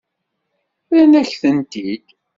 Rran-ak-tent-id.